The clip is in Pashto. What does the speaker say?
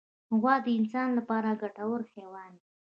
غوا د انسان لپاره ګټور حیوان دی.